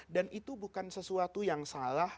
dan itu bukan sesuatu yang salah